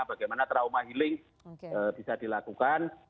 bagaimana trauma healing bisa dilakukan